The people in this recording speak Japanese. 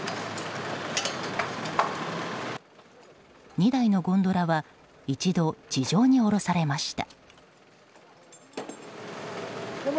２台のゴンドラは一度、地上に下ろされました。